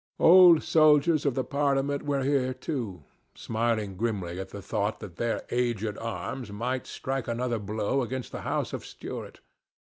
Old soldiers of the Parliament were here, too, smiling grimly at the thought that their aged arms might strike another blow against the house of Stuart.